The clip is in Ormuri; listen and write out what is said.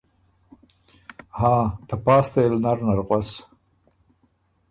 هاں ته پاستئ ل نر نر غؤس